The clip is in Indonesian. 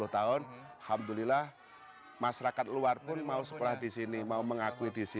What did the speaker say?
usaha mereka untuk di rumah gitu bisa